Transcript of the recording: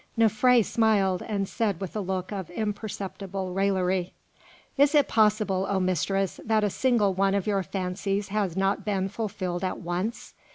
Nofré smiled, and said with a look of imperceptible raillery, "Is it possible, O mistress, that a single one of your fancies has not been fulfilled at once?